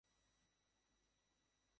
সেটিও ছিল আকাশগঙ্গার ভেতরে।